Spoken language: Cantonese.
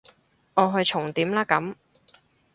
我去重點啦咁